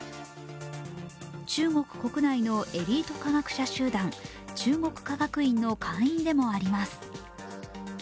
中国国内のエリート科学者集団、中国科学院の会員でもあります。